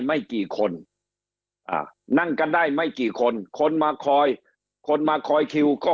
ไม่กี่คนอ่านั่งกันได้ไม่กี่คนคนมาคอยคนมาคอยคิวก็